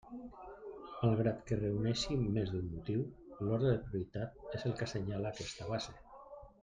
Malgrat que es reuneixi més d'un motiu, l'ordre de prioritat és el que assenyala aquesta base.